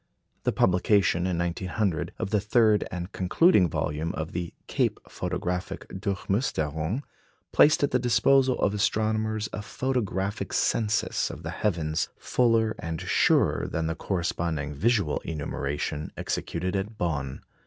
The publication, in 1900, of the third and concluding volume of the "Cape Photographic Durchmusterung" placed at the disposal of astronomers a photographic census of the heavens fuller and surer than the corresponding visual enumeration executed at Bonn.